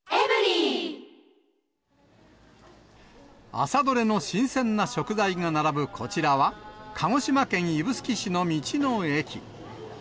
朝取れの新鮮な食材が並ぶこちらは、鹿児島県指宿市の道の駅。